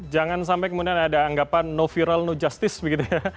jangan sampai kemudian ada anggapan no viral no justice begitu ya